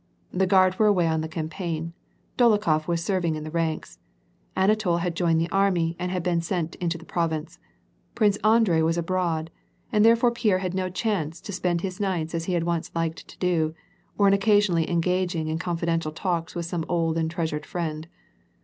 The guard were away on the campaign ; Dolokhof was serv ing in the ranks ; Anatol had joined the army, and had been sent into the province ; Prince Andrei was abroad, and there fore Pierre had no chance to spend his nights as he had once liked to do, or in occasionally engaging in confidential talks with some old and treasured friend.